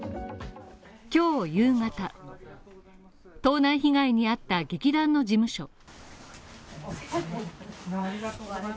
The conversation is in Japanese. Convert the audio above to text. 今日夕方、盗難被害に遭った劇団の事務所。